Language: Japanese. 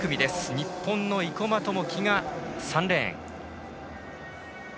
日本の生馬知季が３レーン。